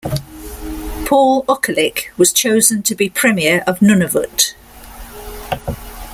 Paul Okalik was chosen to be Premier of Nunavut.